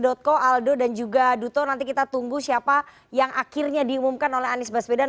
dotco aldo dan juga duto nanti kita tunggu siapa yang akhirnya diumumkan oleh anies baswedan